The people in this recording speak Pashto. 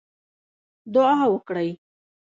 دعا وکړئ